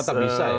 tetap bisa ya